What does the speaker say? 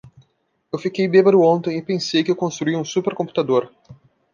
Eu fiquei bêbado ontem e pensei que eu construí um super computador.